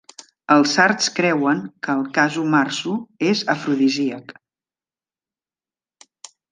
Ela sards creuen que el casu marzu és afrodisíac.